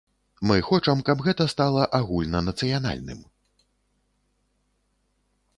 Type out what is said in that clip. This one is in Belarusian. Мы хочам, каб гэта стала агульнанацыянальным.